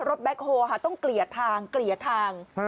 แบ็คโฮลต้องเกลี่ยทางเกลี่ยทาง